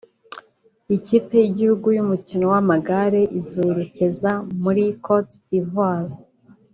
ikipe y’igihugu y’umukino w’amagare izerekeza muri Côte d’Ivoire